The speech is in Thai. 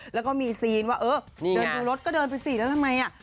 แล้วก็มีซีนว่าเออเดินดูรถก็เดินไปสิแล้วทำไมอ่ะ